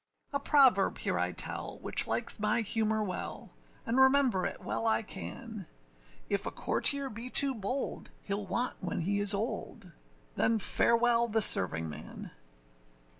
A proverb here I tell, which likes my humour well, And remember it well I can, If a courtier be too bold, heâll want when he is old. Then farewell the servingman.